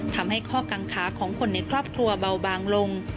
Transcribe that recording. ทำให้ข้อกังขาของคนในครอบครัวเบาบางลง